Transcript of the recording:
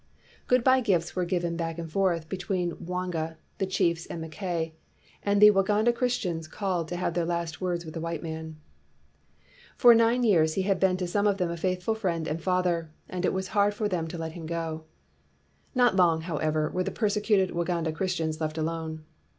Good by gifts were given back and forth 255 WHITE MAN OF WORK between Mwanga, the chiefs, and Mackay; and the Waganda Christians called to have their last words with the white man. For nine years he had been to some of them a faithful friend and father, and it was hard for them to let him go. Not long, however, were the persecuted Waganda Christians left alone.